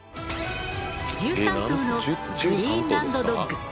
１３頭のグリーンランド・ドッグ。